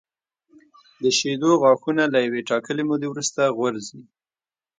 د شېدو غاښونه له یوې ټاکلې مودې وروسته غورځي.